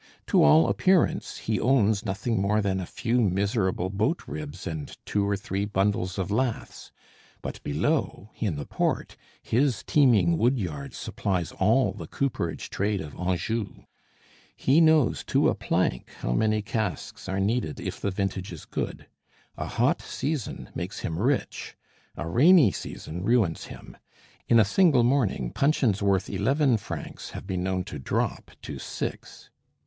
To all appearance he owns nothing more than a few miserable boat ribs and two or three bundles of laths; but below in the port his teeming wood yard supplies all the cooperage trade of Anjou. He knows to a plank how many casks are needed if the vintage is good. A hot season makes him rich, a rainy season ruins him; in a single morning puncheons worth eleven francs have been known to drop to six.